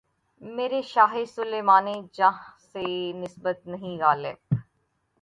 میرے شاہِ سلیماں جاہ سے نسبت نہیں‘ غالبؔ!